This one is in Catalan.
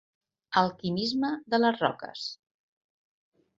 El quimisme de les roques.